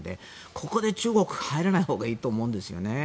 ここで中国が入らないほうがいいと思うんですよね。